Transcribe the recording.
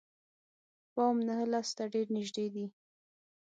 پام نهه لسو ته ډېر نژدې دي.